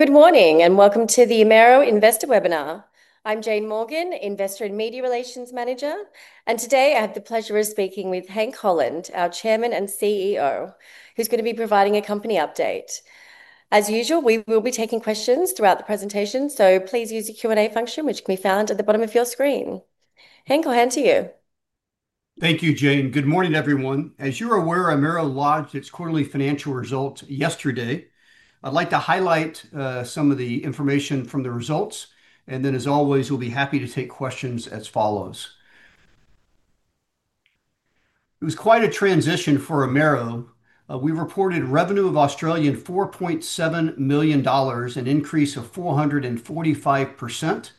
Good morning and welcome to the Amaero Investor Webinar. I'm Jane Morgan, Investor and Media Relations Manager, and today I have the pleasure of speaking with Hank Holland, our Chairman and CEO, who's going to be providing a company update. As usual, we will be taking questions throughout the presentation, so please use the Q&A function, which can be found at the bottom of your screen. Hank, I'll hand to you. Thank you, Jane. Good morning, everyone. As you're aware, Amaero launched its quarterly financial results yesterday. I'd like to highlight some of the information from the results, and then, as always, we'll be happy to take questions as follows. It was quite a transition for Amaero. We reported revenue of 4.7 million dollars, an increase of 445%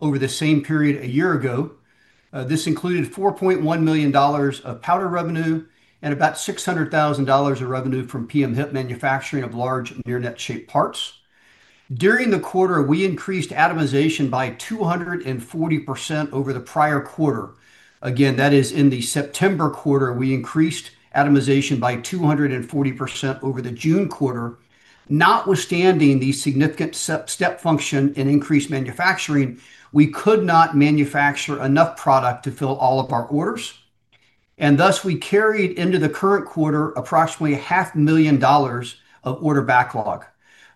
over the same period a year ago. This included $4.1 million of powder revenue and about $600,000 of revenue from PM-HIP manufacturing of large near-net-shaped parts. During the quarter, we increased atomization by 240% over the prior quarter. Again, that is in the September quarter. We increased atomization by 240% over the June quarter. Notwithstanding the significant step function and increased manufacturing, we could not manufacture enough product to fill all of our orders, and thus we carried into the current quarter approximately $500,000 of order backlog.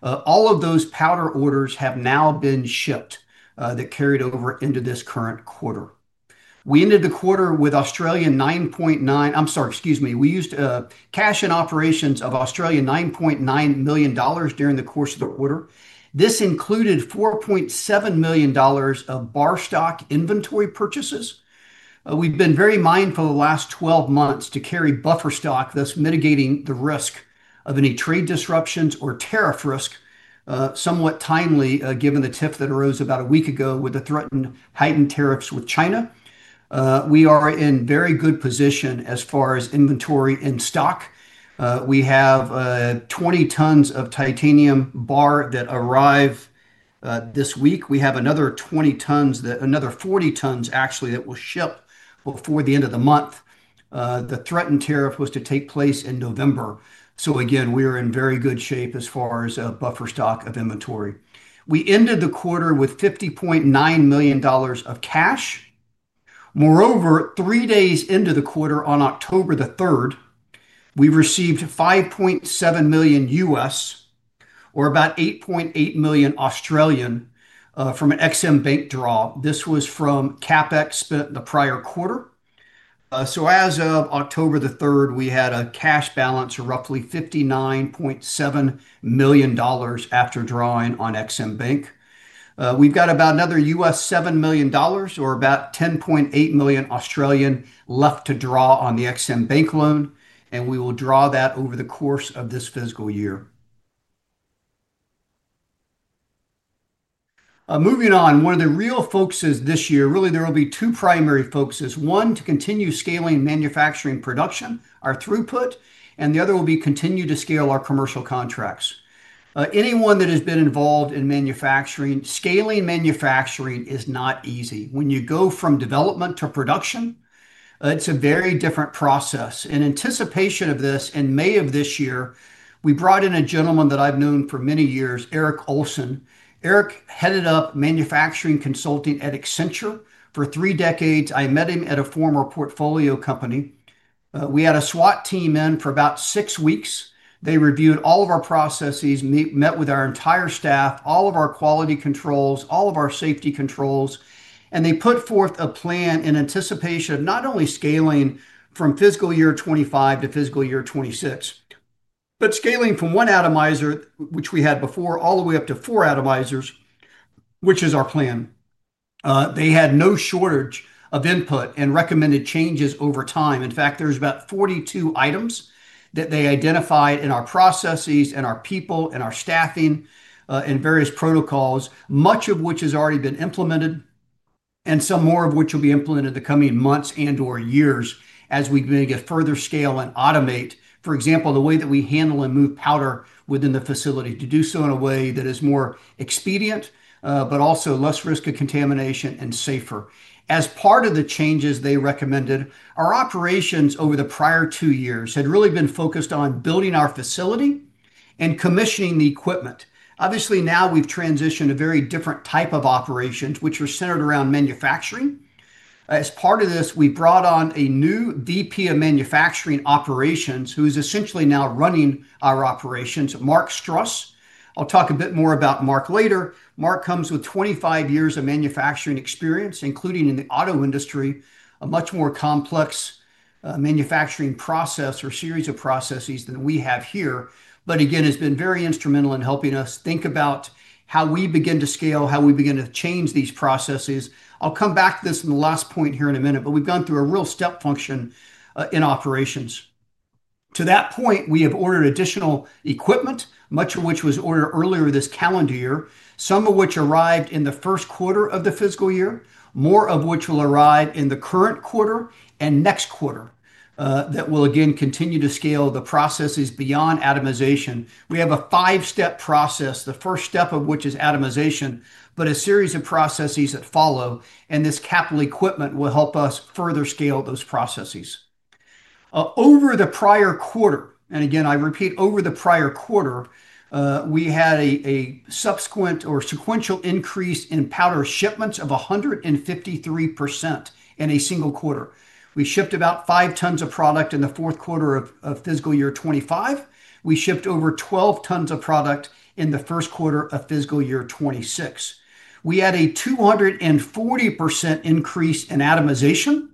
All of those powder orders have now been shipped that carried over into this current quarter. We ended the quarter with 9.9 million—I'm sorry, excuse me. We used cash in operations of 9.9 million dollars during the course of the quarter. This included $4.7 million of bar stock inventory purchases. We've been very mindful the last 12 months to carry buffer stock, thus mitigating the risk of any trade disruptions or tariff risk, somewhat timely given the TIF that arose about a week ago with the threatened heightened tariffs with China. We are in a very good position as far as inventory and stock. We have 20 tons of titanium bar that arrive this week. We have another 20 tons, another 40 tons, actually, that will ship before the end of the month. The threatened tariff was to take place in November. We are in very good shape as far as buffer stock of inventory. We ended the quarter with $50.9 million of cash. Moreover, three days into the quarter, on October the 3rd, we received $5.7 million, or about 8.8 million from an EXIM Bank draw. This was from CapEx spent the prior quarter. As of October the 3rd, we had a cash balance of roughly $59.7 million after drawing on EXIM Bank. We've got about another $7 million, or about AUD $10.8 million left to draw on the EXIM Bank loan, and we will draw that over the course of this fiscal year. Moving on, one of the real focuses this year, really, there will be two primary focuses: one, to continue scaling manufacturing production, our throughput, and the other will be to continue to scale our commercial contracts. Anyone that has been involved in manufacturing, scaling manufacturing is not easy. When you go from development to production, it's a very different process. In anticipation of this, in May of this year, we brought in a gentleman that I've known for many years, Eric Olson. Eric headed up manufacturing consulting at Accenture for three decades. I met him at a former portfolio company. We had a SWAT team in for about six weeks. They reviewed all of our processes, met with our entire staff, all of our quality controls, all of our safety controls, and they put forth a plan in anticipation of not only scaling from fiscal year 2025 to fiscal year 2026, but scaling from one atomizer, which we had before, all the way up to four atomizers, which is our plan. They had no shortage of input and recommended changes over time. In fact, there's about 42 items that they identified in our processes and our people and our staffing and various protocols, much of which has already been implemented and some more of which will be implemented in the coming months and/or years as we begin to further scale and automate. For example, the way that we handle and move powder within the facility to do so in a way that is more expedient, but also less risk of contamination and safer. As part of the changes they recommended, our operations over the prior two years had really been focused on building our facility and commissioning the equipment. Obviously, now we've transitioned to a very different type of operations, which are centered around manufacturing. As part of this, we brought on a new VP of Manufacturing Operations, who is essentially now running our operations, Mark Struss. I'll talk a bit more about Mark later. Mark comes with 25 years of manufacturing experience, including in the auto industry, a much more complex manufacturing process or series of processes than we have here. Again, he's been very instrumental in helping us think about how we begin to scale, how we begin to change these processes. I'll come back to this in the last point here in a minute, but we've gone through a real step function in operations. To that point, we have ordered additional equipment, much of which was ordered earlier this calendar year, some of which arrived in the first quarter of the fiscal year, more of which will arrive in the current quarter and next quarter that will again continue to scale the processes beyond atomization. We have a five-step process, the first step of which is atomization, but a series of processes that follow, and this capital equipment will help us further scale those processes. Over the prior quarter, and again, I repeat, over the prior quarter, we had a subsequent or sequential increase in powder shipments of 153% in a single quarter. We shipped about 5 tons of product in the fourth quarter of fiscal year 2025. We shipped over 12 tons of product in the first quarter of fiscal year 2026. We had a 240% increase in atomization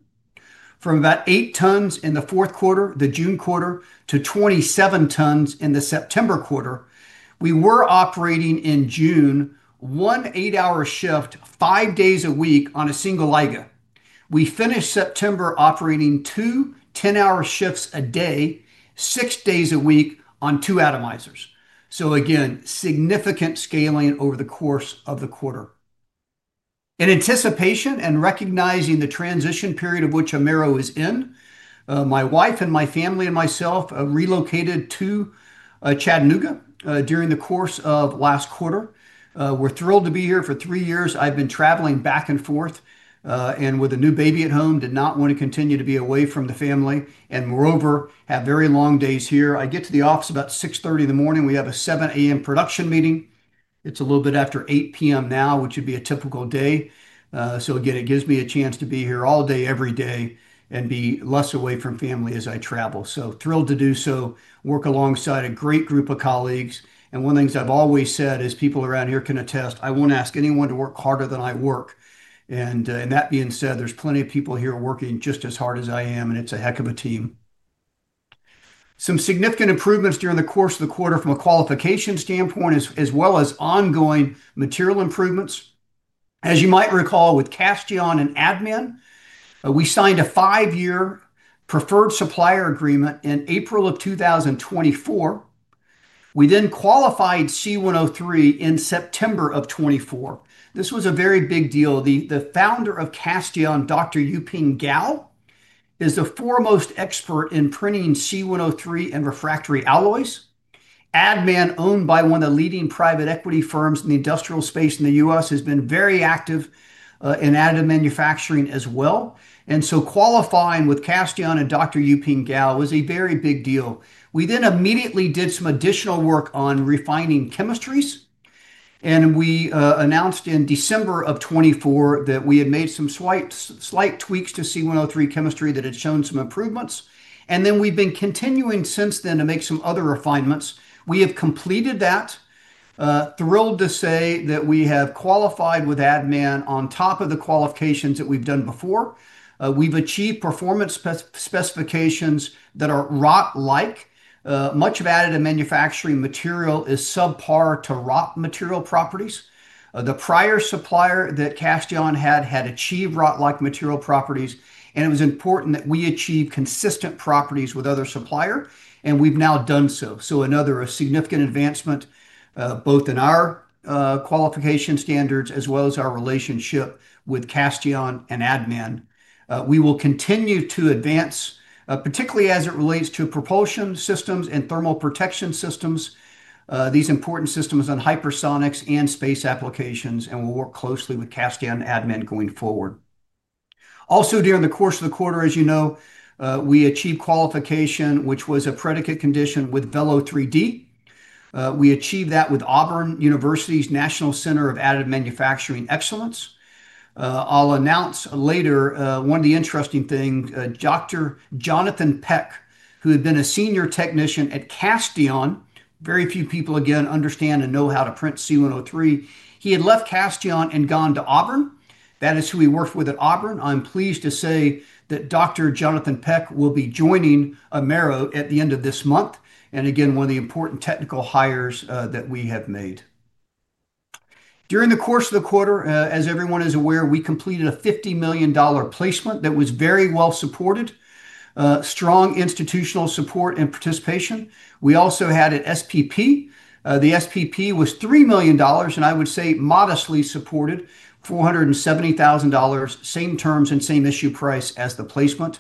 from about 8 tons in the fourth quarter, the June quarter, to 27 tons in the September quarter. We were operating in June one eight-hour shift, five days a week on a single IGA. We finished September operating two 10-hour shifts a day, six days a week on two atomizers. Significant scaling occurred over the course of the quarter. In anticipation and recognizing the transition period of which Amaero is in, my wife and my family and myself relocated to Chattanooga during the course of last quarter. We're thrilled to be here for three years. I've been traveling back and forth and with a new baby at home, did not want to continue to be away from the family and, moreover, have very long days here. I get to the office about 6:30 A.M. We have a 7:00 A.M. production meeting. It's a little bit after 8:00 P.M. now, which would be a typical day. It gives me a chance to be here all day, every day, and be less away from family as I travel. Thrilled to do so, work alongside a great group of colleagues. One of the things I've always said is people around here can attest I won't ask anyone to work harder than I work. That being said, there's plenty of people here working just as hard as I am, and it's a heck of a team. Some significant improvements during the course of the quarter from a qualification standpoint, as well as ongoing material improvements. As you might recall, with Castheon and ADDMAN, we signed a five-year preferred supplier agreement in April of 2024. We then qualified C103 in September of 2024. This was a very big deal. The founder of Castheon, Dr. Youping Gao is the foremost expert in printing C103 and refractory alloys. ADDMAN, owned by one of the leading private equity firms in the industrial space in the U.S., has been very active in additive manufacturing as well. Qualifying with Castheon and Dr. Youping Gao was a very big deal. We then immediately did some additional work on refining chemistries, and we announced in December of 2024 that we had made some slight tweaks to C103 chemistry that had shown some improvements. We have been continuing since then to make some other refinements. We have completed that. Thrilled to say that we have qualified with ADDMAN on top of the qualifications that we've done before. We've achieved performance specifications that are ROT-like. Much of additive manufacturing material is subpar to ROT material properties. The prior supplier that Castheon had had achieved ROT-like material properties, and it was important that we achieve consistent properties with the other supplier, and we've now done so. Another significant advancement, both in our qualification standards as well as our relationship with Castheon and ADDMAN. We will continue to advance, particularly as it relates to propulsion systems and thermal protection systems, these important systems on hypersonics and space applications, and we'll work closely with Castheon, ADDMAN going forward. Also, during the course of the quarter, as you know, we achieved qualification, which was a predicate condition with Velo3D. We achieved that with Auburn University's National Center of Additive Manufacturing Excellence. I'll announce later one of the interesting things, Dr. Jonathan Pegues, who had been a senior technician at Castheon, very few people again understand and know how to print C103. He had left Castheon and gone to Auburn. That is who he worked with at Auburn. I'm pleased to say that Dr. Jonathan Pegues will be joining Amaero at the end of this month, and again, one of the important technical hires that we have made. During the course of the quarter, as everyone is aware, we completed a $50 million placement that was very well supported, strong institutional support and participation. We also had an SPP. The SPP was $3 million, and I would say modestly supported, $470,000, same terms and same issue price as the placement.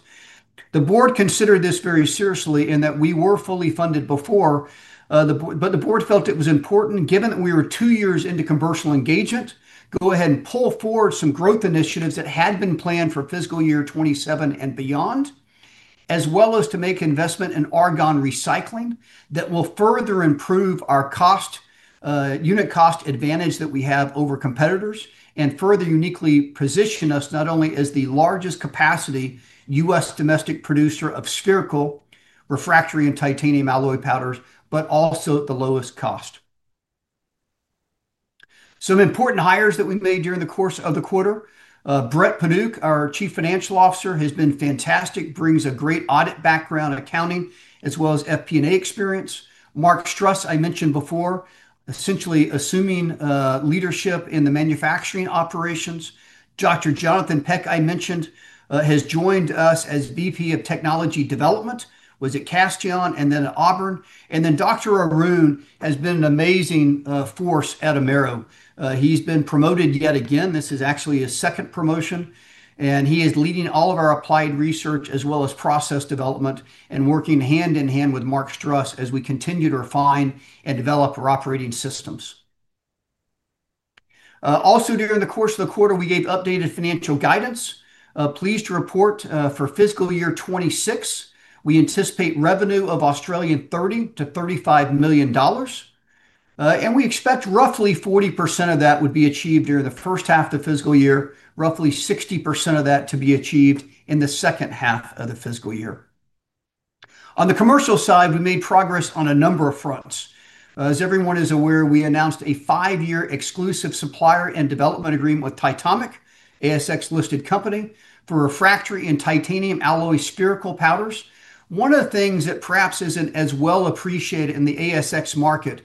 The board considered this very seriously in that we were fully funded before, but the board felt it was important, given that we were two years into commercial engagement, to go ahead and pull forward some growth initiatives that had been planned for fiscal year 2027 and beyond, as well as to make investment in argon recycling that will further improve our unit cost advantage that we have over competitors and further uniquely position us not only as the largest capacity U.S. domestic producer of spherical refractory and titanium alloy powders, but also at the lowest cost. Some important hires that we made during the course of the quarter: Brett Paduch, our Chief Financial Officer, has been fantastic, brings a great audit background, accounting, as well as FP&A experience. Mark Struss, I mentioned before, essentially assuming leadership in the Manufacturing Operations. Dr. Jonathan Pegues, I mentioned, has joined us as VP of Technology Development, was at Castheon and then at Auburn. Dr. Arun has been an amazing force at Amaero. He's been promoted yet again. This is actually his second promotion, and he is leading all of our Applied Research as well as Process Development and working hand in hand with Mark Struss as we continue to refine and develop our operating systems. Also, during the course of the quarter, we gave updated financial guidance. Pleased to report for fiscal year 2026, we anticipate revenue of 30 million-35 million dollars, and we expect roughly 40% of that would be achieved during the first half of the fiscal year, roughly 60% of that to be achieved in the second half of the fiscal year. On the commercial side, we made progress on a number of fronts. As everyone is aware, we announced a five-year exclusive supplier and development agreement with Titomic, ASX-listed company, for refractory and titanium alloy spherical powders. One of the things that perhaps isn't as well appreciated in the ASX market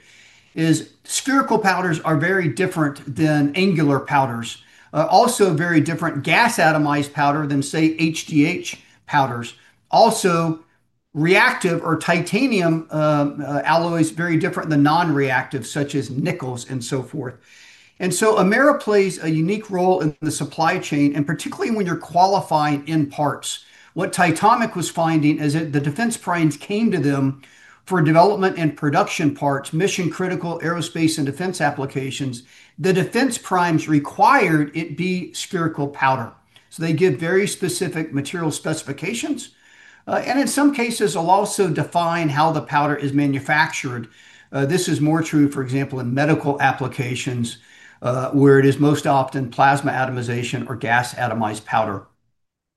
is spherical powders are very different than angular powders, also very different gas atomized powder than, say, HDH powders. Also, reactive or titanium alloys are very different than non-reactive, such as nickels and so forth. Amaero plays a unique role in the supply chain, particularly when you're qualifying in parts. What Titomic was finding is that the defense primes came to them for development and production parts, mission-critical aerospace and defense applications. The defense primes required it be spherical powder. They give very specific material specifications, and in some cases will also define how the powder is manufactured. This is more true, for example, in medical applications where it is most often plasma atomization or gas atomized powder.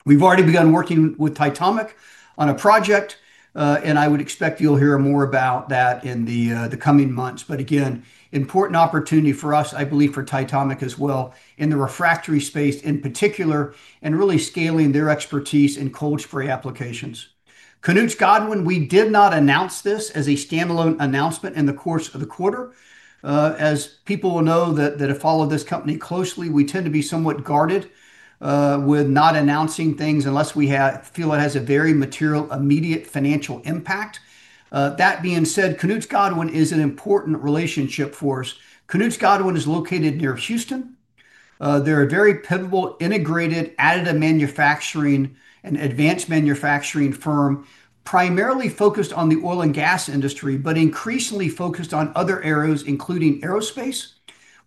We've already begun working with Titomic on a project, and I would expect you'll hear more about that in the coming months. Again, an important opportunity for us, I believe, for Titomic as well in the refractory space in particular, and really scaling their expertise in cold spray applications. Knust-Godwin, we did not announce this as a standalone announcement in the course of the quarter. As people will know if they follow this company closely, we tend to be somewhat guarded with not announcing things unless we feel it has a very material immediate financial impact. That being said, Knust-Godwin is an important relationship for us. Knust-Godwin is located near Houston. They're a very pivotal, integrated additive manufacturing and advanced manufacturing firm, primarily focused on the oil and gas industry, but increasingly focused on other areas, including aerospace.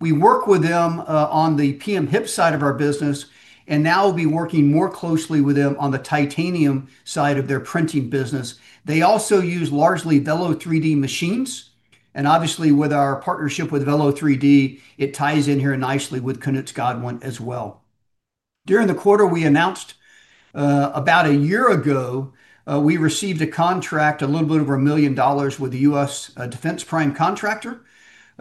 We work with them on the PM-HIP side of our business, and now we'll be working more closely with them on the titanium side of their printing business. They also use largely Velo3D machines, and obviously with our partnership with Velo3D, it ties in here nicely with Knust-Godwin as well. During the quarter, we announced about a year ago we received a contract, a little bit over $1 million, with the U.S. Defense Prime Contractor,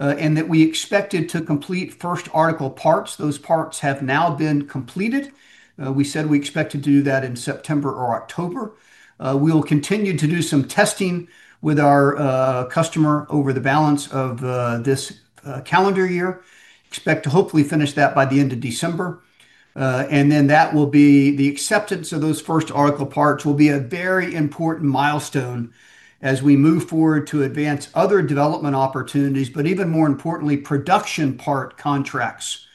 and that we expected to complete first article parts. Those parts have now been completed. We said we expected to do that in September or October. We'll continue to do some testing with our customer over the balance of this calendar year. Expect to hopefully finish that by the end of December, and then the acceptance of those first article parts will be a very important milestone as we move forward to advance other development opportunities, but even more importantly, production part contracts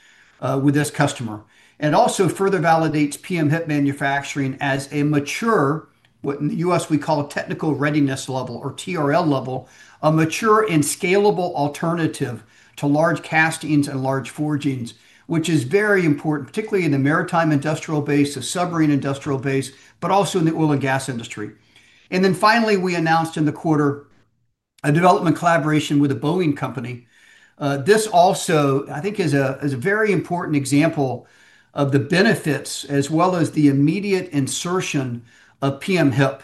with this customer. It also further validates PM-HIP manufacturing as a mature, what in the U.S. we call a technical readiness level or TRL level, a mature and scalable alternative to large castings and large forgings, which is very important, particularly in the maritime industrial base, the submarine industrial base, but also in the oil and gas industry. Finally, we announced in the quarter a development collaboration with The Boeing Company. This also, I think, is a very important example of the benefits as well as the immediate insertion of PM-HIP.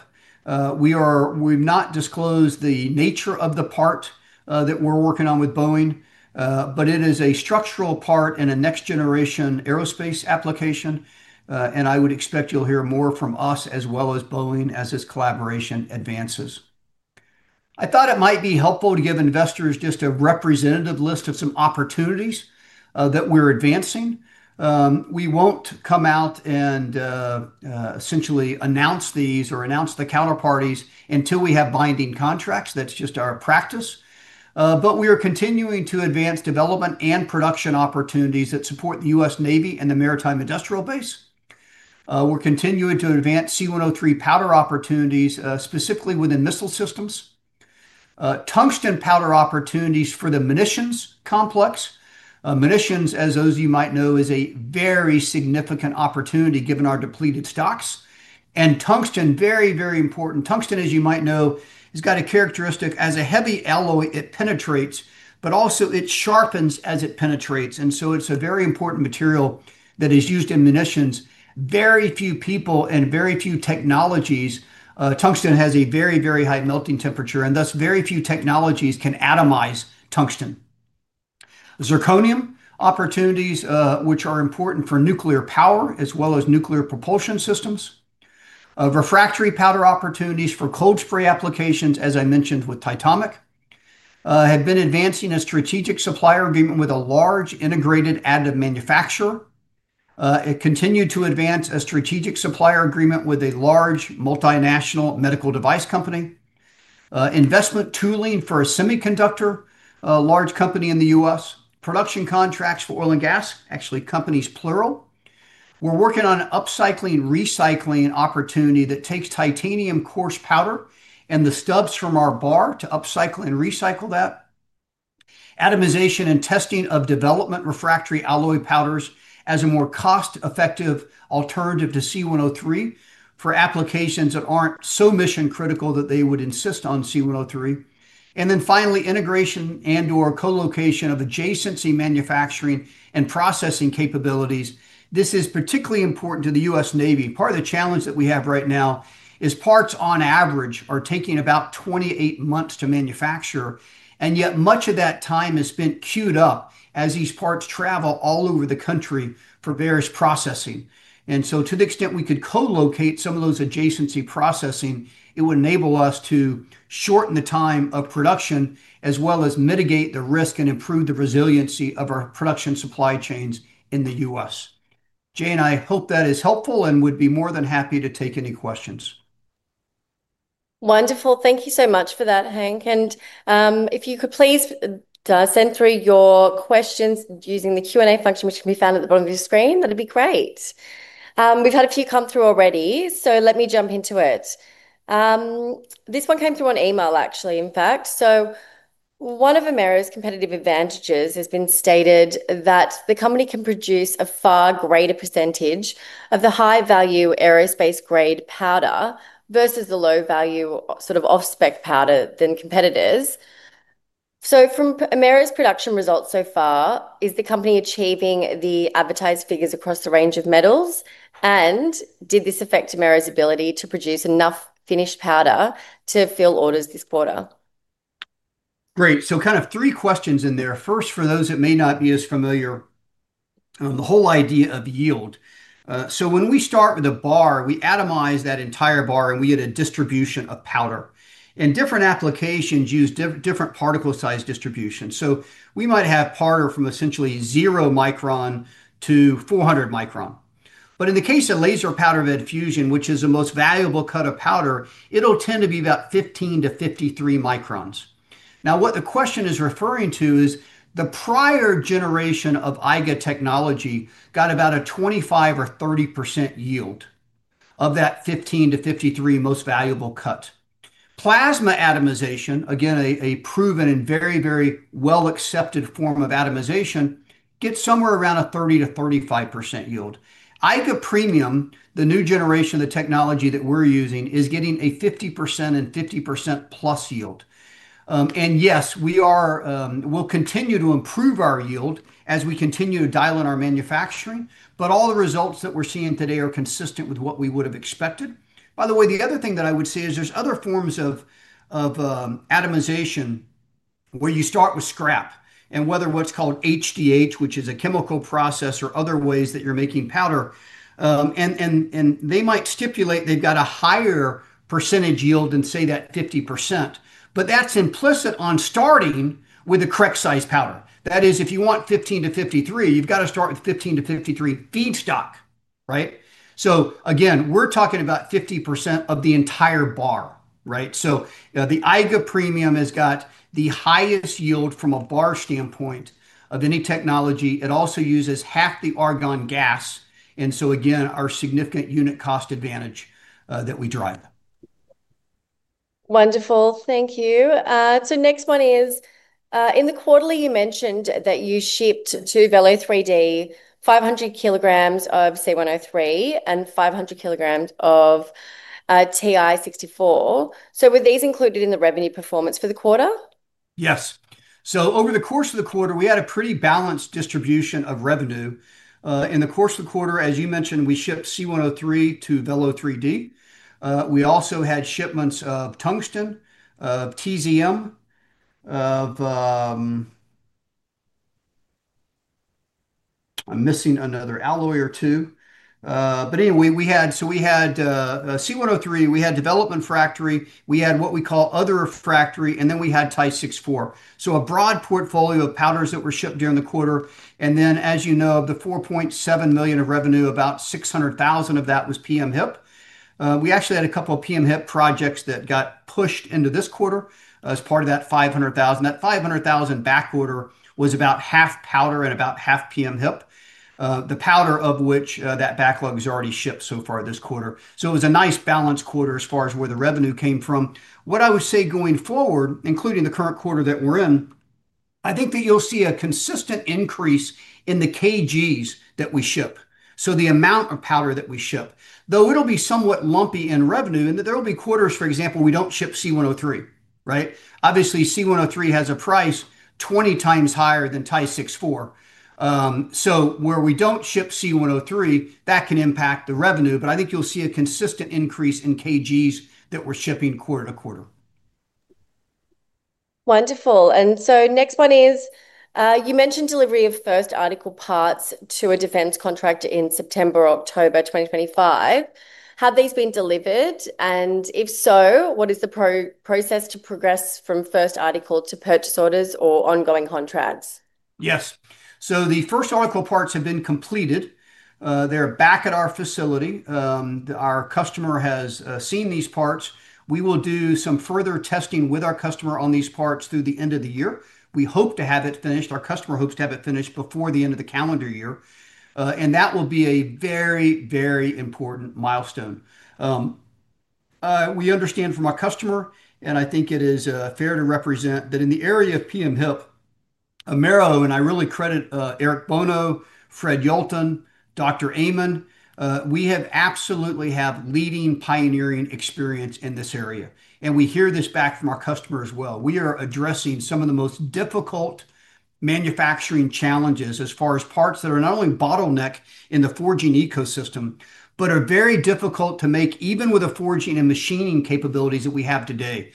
We have not disclosed the nature of the part that we're working on with Boeing, but it is a structural part in a next-generation aerospace application, and I would expect you'll hear more from us as well as Boeing as this collaboration advances. I thought it might be helpful to give investors just a representative list of some opportunities that we're advancing. We won't come out and essentially announce these or announce the counterparties until we have binding contracts. That's just our practice. We are continuing to advance development and production opportunities that support the U.S. Navy and the maritime industrial base. We're continuing to advance C103 powder opportunities, specifically within missile systems, tungsten powder opportunities for the munitions complex. Munitions, as those of you might know, is a very significant opportunity given our depleted stocks. Tungsten, very, very important. Tungsten, as you might know, has got a characteristic as a heavy alloy, it penetrates, but also it sharpens as it penetrates. It is a very important material that is used in munitions. Very few people and very few technologies can atomize tungsten. Tungsten has a very, very high melting temperature, and thus very few technologies can atomize tungsten. Zirconium opportunities, which are important for nuclear power as well as nuclear propulsion systems. Refractory powder opportunities for cold spray applications, as I mentioned with Titomic, have been advancing a strategic supplier agreement with a large integrated additive manufacturer. It continued to advance a strategic supplier agreement with a large multinational medical device company. Investment tooling for a semiconductor, a large company in the United States. Production contracts for oil and gas, actually companies plural. We're working on an upcycling/recycling opportunity that takes titanium coarse powder and the stubs from our bar to upcycle and recycle that. Atomization and testing of development refractory alloy powders as a more cost-effective alternative to C103 for applications that aren't so mission-critical that they would insist on C103. Finally, integration and/or colocation of adjacency manufacturing and processing capabilities. This is particularly important to the U.S. Navy. Part of the challenge that we have right now is parts on average are taking about 28 months to manufacture, and yet much of that time is spent queued up as these parts travel all over the country for various processing. To the extent we could colocate some of those adjacency processing, it would enable us to shorten the time of production as well as mitigate the risk and improve the resiliency of our production supply chains in the U.S. Jane, I hope that is helpful and would be more than happy to take any questions. Wonderful. Thank you so much for that, Hank. If you could please send through your questions using the Q&A function, which can be found at the bottom of your screen, that'd be great. We've had a few come through already, let me jump into it. This one came through on email, actually, in fact. One of Amaero's competitive advantages has been stated that the company can produce a far greater percentage of the high-value aerospace-grade powder versus the low-value sort of off-spec powder than competitors. From Amaero's production results so far, is the company achieving the advertised figures across the range of metals, and did this affect Amaero's ability to produce enough finished powder to fill orders this quarter? Great. Kind of three questions in there. First, for those that may not be as familiar, the whole idea of yield. When we start with a bar, we atomize that entire bar and we get a distribution of powder. Different applications use different particle size distributions. We might have powder from essentially 0 micron to 400 micron. In the case of laser powder bed fusion, which is the most valuable cut of powder, it'll tend to be about 15-53 microns. What the question is referring to is the prior generation of IGA technology got about a 25% or 30% yield of that 15-53 most valuable cut. Plasma atomization, again, a proven and very, very well-accepted form of atomization, gets somewhere around a 30%-35% yield. IGA Premium, the new generation of the technology that we're using, is getting a 50% and 50%+ yield. Yes, we will continue to improve our yield as we continue to dial in our manufacturing, but all the results that we're seeing today are consistent with what we would have expected. By the way, the other thing that I would say is there's other forms of atomization where you start with scrap and whether what's called HDH, which is a chemical process or other ways that you're making powder, and they might stipulate they've got a higher percentage yield than, say, that 50%. That's implicit on starting with the correct size powder. That is, if you want 15-53, you've got to start with 15-53 feedstock. We're talking about 50% of the entire bar. The IGA Premium has got the highest yield from a bar standpoint of any technology. It also uses half the argon gas. Our significant unit cost advantage that we drive. Wonderful. Thank you. Next one is in the quarterly, you mentioned that you shipped to Velo3D 500 kg of C103 and 500 kg of Ti64. Were these included in the revenue performance for the quarter? Yes. Over the course of the quarter, we had a pretty balanced distribution of revenue. In the course of the quarter, as you mentioned, we shipped C103 to Velo3D. We also had shipments of tungsten, of TZM, and I am missing another alloy or two. Anyway, we had C103, we had development refractory, we had what we call other refractory, and then we had Ti64. A broad portfolio of powders was shipped during the quarter. As you know, of the $4.7 million of revenue, about $600,000 of that was PM-HIP. We actually had a couple of PM-HIP projects that got pushed into this quarter as part of that $500,000. That $500,000 back order was about half powder and about half PM-HIP, the powder of which that backlog is already shipped so far this quarter. It was a nice balanced quarter as far as where the revenue came from. What I would say going forward, including the current quarter that we are in, I think that you will see a consistent increase in the kgs that we ship, so the amount of powder that we ship. Though it will be somewhat lumpy in revenue, and there will be quarters, for example, we do not ship C103. Obviously, C103 has a price 20x higher than Ti64. Where we do not ship C103, that can impact the revenue, but I think you will see a consistent increase in kgs that we are shipping quarter-to-quarter. Wonderful. Next one is you mentioned delivery of first article parts to a Defense contract in September or October 2025. Have these been delivered? If so, what is the process to progress from first article to purchase orders or ongoing contracts? Yes. The first article parts have been completed. They're back at our facility. Our customer has seen these parts. We will do some further testing with our customer on these parts through the end of the year. We hope to have it finished. Our customer hopes to have it finished before the end of the calendar year. That will be a very, very important milestone. We understand from our customer, and I think it is fair to represent that in the area of PM-HIP, Amaero, and I really credit Eric Bono, Fred Yolton, Dr. Aman, we absolutely have leading, pioneering experience in this area. We hear this back from our customer as well. We are addressing some of the most difficult manufacturing challenges as far as parts that are not only bottleneck in the forging ecosystem, but are very difficult to make even with the forging and machining capabilities that we have today.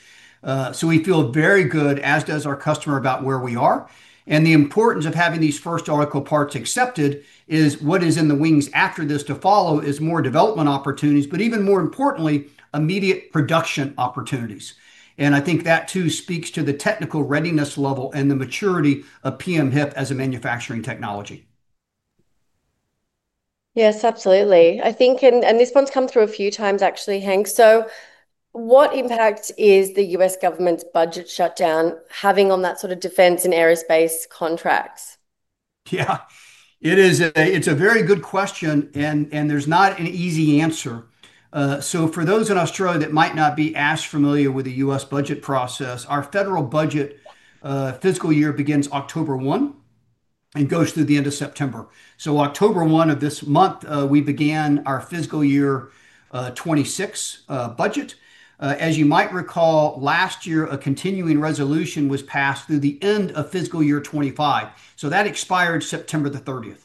We feel very good, as does our customer, about where we are. The importance of having these first article parts accepted is what is in the wings after this to follow is more development opportunities, but even more importantly, immediate production opportunities. I think that too speaks to the technical readiness level and the maturity of PM-HIP as a manufacturing technology. Yes, absolutely. I think, and this one's come through a few times, actually, Hank. What impact is the U.S. government's budget shutdown having on that sort of defense and aerospace contracts? Yeah, it's a very good question, and there's not an easy answer. For those in Australia that might not be as familiar with the U.S. budget process, our federal budget fiscal year begins October 1 and goes through the end of September. October 1 of this month, we began our fiscal year 2026 budget. As you might recall, last year, a continuing resolution was passed through the end of fiscal year 2025. That expired September the 30th.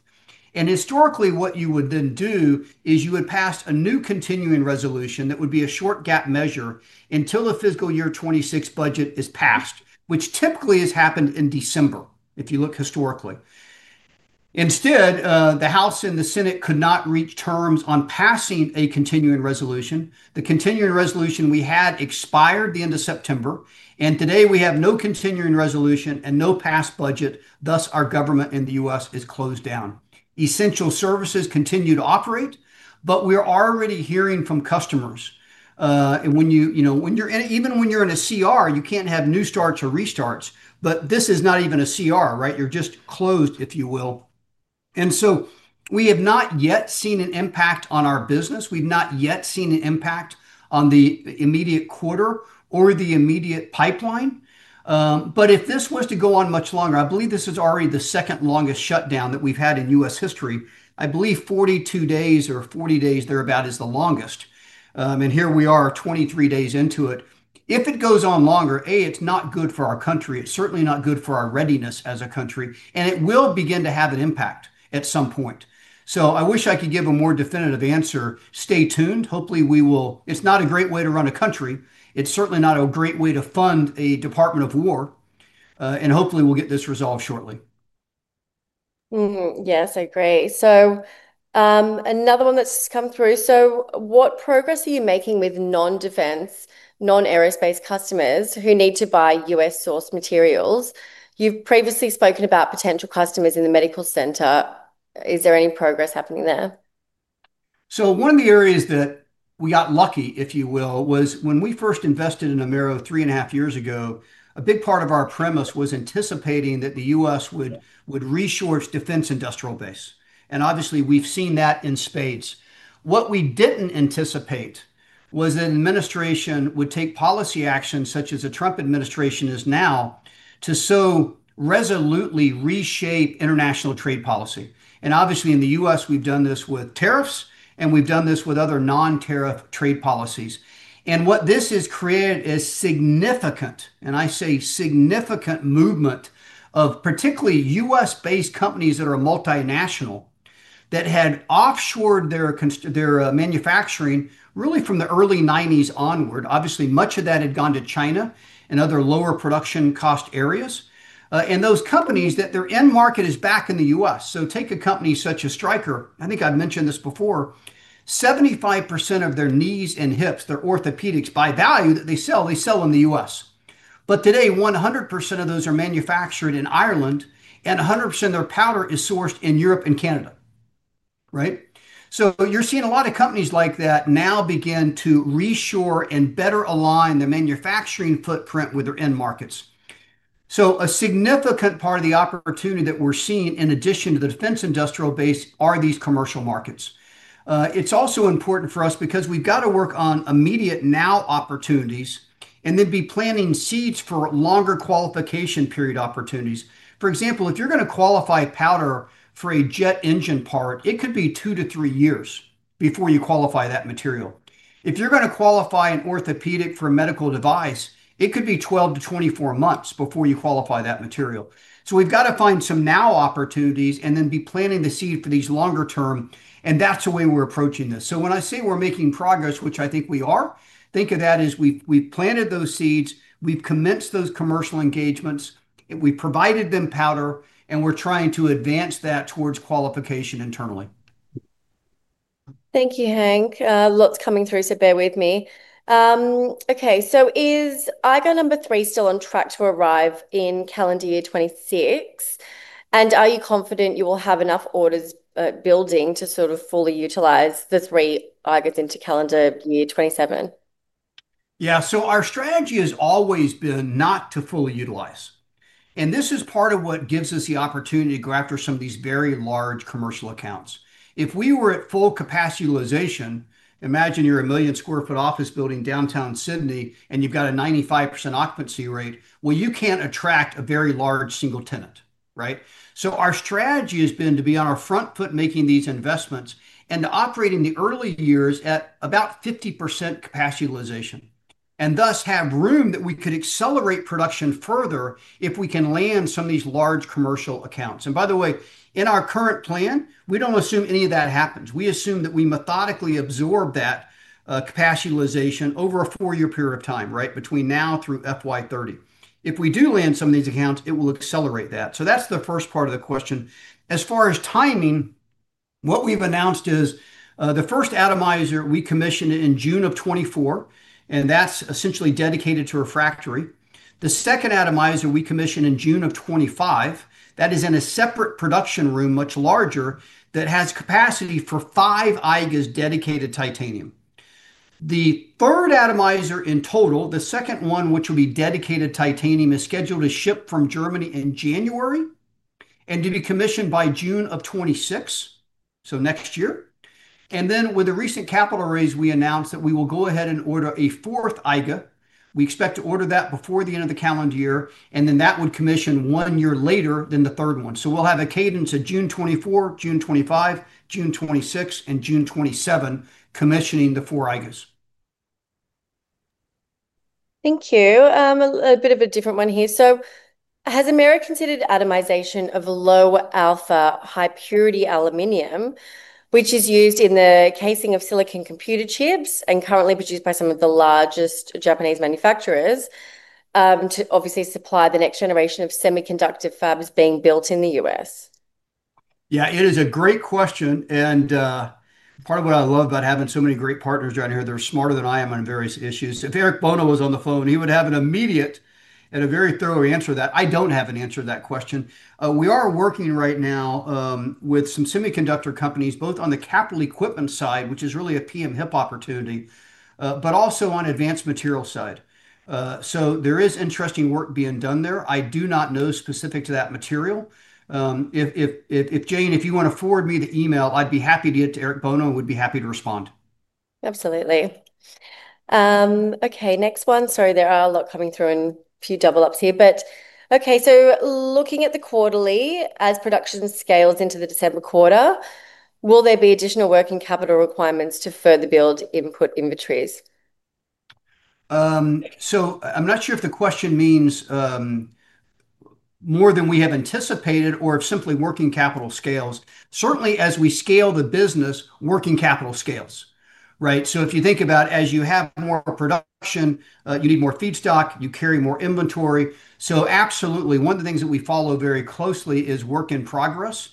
Historically, what you would then do is pass a new continuing resolution that would be a short gap measure until the fiscal year 2026 budget is passed, which typically has happened in December if you look historically. Instead, the House and the Senate could not reach terms on passing a continuing resolution. The continuing resolution we had expired the end of September, and today we have no continuing resolution and no passed budget. Thus, our government in the U.S. is closed down. Essential services continue to operate, but we are already hearing from customers. When you're even when you're in a CR, you can't have new starts or restarts, but this is not even a CR, right? You're just closed, if you will. We have not yet seen an impact on our business. We've not yet seen an impact on the immediate quarter or the immediate pipeline. If this was to go on much longer, I believe this is already the second longest shutdown that we've had in U.S. history. I believe 42 days or 40 days thereabout is the longest. Here we are 23 days into it. If it goes on longer, A, it's not good for our country. It's certainly not good for our readiness as a country, and it will begin to have an impact at some point. I wish I could give a more definitive answer. Stay tuned. Hopefully, we will—it's not a great way to run a country. It's certainly not a great way to fund a Department of War, and hopefully, we'll get this resolved shortly. Yes, I agree. Another one that's come through. What progress are you making with non-defense, non-aerospace customers who need to buy U.S. source materials? You've previously spoken about potential customers in the medical center. Is there any progress happening there? One of the areas that we got lucky, if you will, was when we first invested in Amaero three and a half years ago, a big part of our premise was anticipating that the U.S. would resource defense industrial base. Obviously, we've seen that in spades. What we didn't anticipate was that an administration would take policy action, such as the Trump administration is now, to so resolutely reshape international trade policy. Obviously, in the U.S., we've done this with tariffs, and we've done this with other non-tariff trade policies. What this has created is significant, and I say significant, movement of particularly U.S.-based companies that are multinational that had offshored their manufacturing really from the early 1990s onward. Much of that had gone to China and other lower production cost areas. Those companies, their end market is back in the U.S. Take a company such as Stryker. I think I've mentioned this before. 75% of their knees and hips, their orthopedics by value that they sell, they sell in the U.S. Today, 100% of those are manufactured in Ireland, and 100% of their powder is sourced in Europe and Canada. You're seeing a lot of companies like that now begin to reshore and better align the manufacturing footprint with their end markets. A significant part of the opportunity that we're seeing in addition to the defense industrial base are these commercial markets. It's also important for us because we've got to work on immediate now opportunities and then be planting seeds for longer qualification period opportunities. For example, if you're going to qualify powder for a jet engine part, it could be two to three years before you qualify that material. If you're going to qualify an orthopedic for a medical device, it could be 12-24 months before you qualify that material. We've got to find some now opportunities and then be planting the seed for these longer term, and that's the way we're approaching this. When I say we're making progress, which I think we are, think of that as we've planted those seeds, we've commenced those commercial engagements, we've provided them powder, and we're trying to advance that towards qualification internally. Thank you, Hank. Lots coming through, so bear with me. OK, is IGA number three still on track to arrive in calendar year 2026? Are you confident you will have enough orders building to fully utilize the three IGAs into calendar year 2027? Yeah, so our strategy has always been not to fully utilize. This is part of what gives us the opportunity to go after some of these very large commercial accounts. If we were at full capacity utilization, imagine you're a million square foot office building downtown Sydney and you've got a 95% occupancy rate, you can't attract a very large single tenant, right? Our strategy has been to be on our front foot making these investments and to operate in the early years at about 50% capacity utilization and thus have room that we could accelerate production further if we can land some of these large commercial accounts. By the way, in our current plan, we don't assume any of that happens. We assume that we methodically absorb that capacity utilization over a four-year period of time, right, between now through FY 2030. If we do land some of these accounts, it will accelerate that. That's the first part of the question. As far as timing, what we've announced is the first atomizer we commissioned in June 2024, and that's essentially dedicated to refractory. The second atomizer we commissioned in June of 2025, that is in a separate production room, much larger, that has capacity for five IGAs dedicated to titanium. The third atomizer in total, the second one which will be dedicated to titanium, is scheduled to ship from Germany in January and to be commissioned by June of 2026, so next year. With the recent capital raise, we announced that we will go ahead and order a fourth IGA. We expect to order that before the end of the calendar year, and that would commission one year later than the third one. We'll have a cadence of June 2024, June 2025, June 2026, and June 2027 commissioning the four IGAs. Thank you. A bit of a different one here. Has Amaero considered atomization of low alpha, high purity aluminum, which is used in the casing of silicon computer chips and currently produced by some of the largest Japanese manufacturers to obviously supply the next generation of semiconductor fabs being built in the U.S.? Yeah, it is a great question. Part of what I love about having so many great partners down here, they're smarter than I am on various issues. If Eric Bono was on the phone, he would have an immediate and a very thorough answer to that. I don't have an answer to that question. We are working right now with some semiconductor companies, both on the capital equipment side, which is really a PM-HIP opportunity, but also on advanced materials side. There is interesting work being done there. I do not know specific to that material. If Jane, if you want to forward me the email, I'd be happy to get to Eric Bono, would be happy to respond. Absolutely. OK, next one. Sorry, there are a lot coming through and a few double-ups here. OK, so looking at the quarterly, as production scales into the December quarter, will there be additional working capital requirements to further build input inventories? I'm not sure if the question means more than we have anticipated or if simply working capital scales. Certainly, as we scale the business, working capital scales. If you think about as you have more production, you need more feedstock, you carry more inventory. Absolutely, one of the things that we follow very closely is work in progress.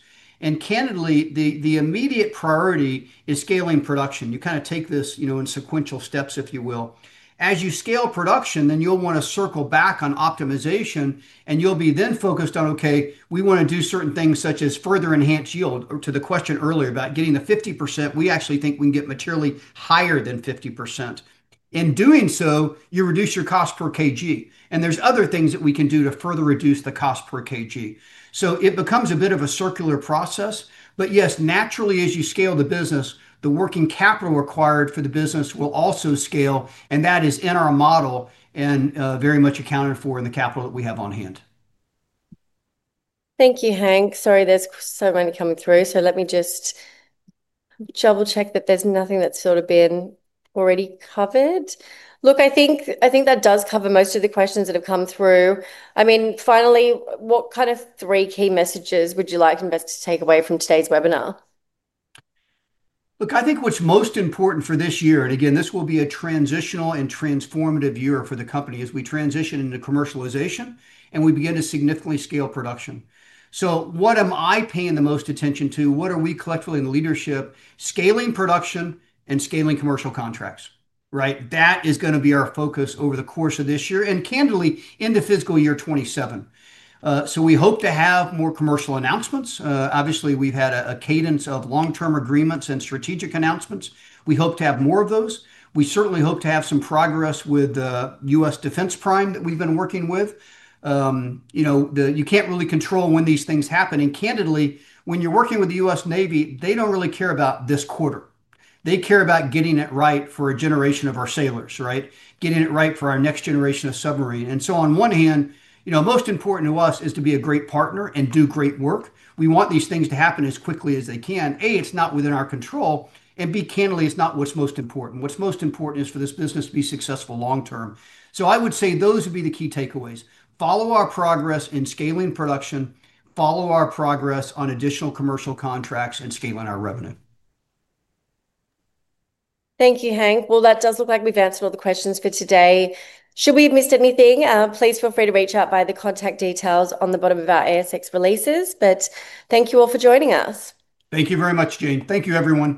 Candidly, the immediate priority is scaling production. You kind of take this in sequential steps, if you will. As you scale production, you'll want to circle back on optimization, and you'll be then focused on, OK, we want to do certain things such as further enhance yield. To the question earlier about getting the 50%, we actually think we can get materially higher than 50%. In doing so, you reduce your cost per kg. There are other things that we can do to further reduce the cost per kg. It becomes a bit of a circular process. Yes, naturally, as you scale the business, the working capital required for the business will also scale. That is in our model and very much accounted for in the capital that we have on hand. Thank you, Hank. Sorry, there's so many coming through. Let me just double-check that there's nothing that's already been covered. I think that does cover most of the questions that have come through. Finally, what kind of three key messages would you like investors to take away from today's webinar? Look, I think what's most important for this year, and again, this will be a transitional and transformative year for the company as we transition into commercialization and we begin to significantly scale production. What am I paying the most attention to? What are we collectively in the leadership? Scaling production and scaling commercial contracts. That is going to be our focus over the course of this year and candidly in the fiscal year 2027. We hope to have more commercial announcements. Obviously, we've had a cadence of long-term agreements and strategic announcements. We hope to have more of those. We certainly hope to have some progress with the U.S. Defense Prime that we've been working with. You can't really control when these things happen. Candidly, when you're working with the U.S. Navy, they don't really care about this quarter. They care about getting it right for a generation of our sailors, getting it right for our next generation of submarine. On one hand, most important to us is to be a great partner and do great work. We want these things to happen as quickly as they can. It's not within our control. Candidly, it's not what's most important. What's most important is for this business to be successful long term. I would say those would be the key takeaways. Follow our progress in scaling production. Follow our progress on additional commercial contracts and scaling our revenue. Thank you, Hank. That does look like we've answered all the questions for today. Should we have missed anything, please feel free to reach out via the contact details on the bottom of our ASX releases. Thank you all for joining us. Thank you very much, Jane. Thank you, everyone.